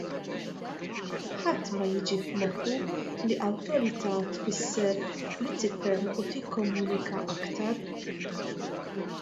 Ħadd ma jiġi f'moħħu li awtorità tfisser li tifhem u tikkomunika aktar.